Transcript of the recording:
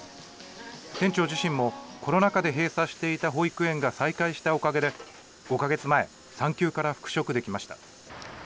店長自身もコロナ禍で閉鎖していた保育園が再開したおかげで、５か月前、産休から復職できました。